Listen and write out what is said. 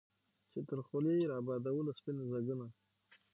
چا تر خولې را بادوله سپین ځګونه